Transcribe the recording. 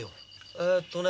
えっとね